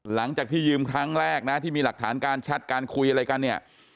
หลังจากที่ยืมครั้งแรกนะที่มีหลักฐานการแชทการคุยอะไรกันเนี่ย